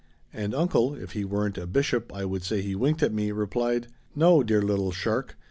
And uncle if he weren't a bishop I would say he winked at me replied, 'No, dear little shark.